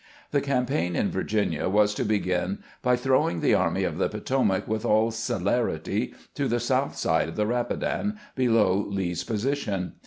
The campaign in Virginia was to begin by throwing the Army of the Potomac with aU. celerity to the south side of the Rapidan, below Lee's position.